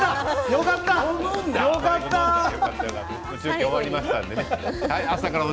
よかったよかった中継、終わりましたからね。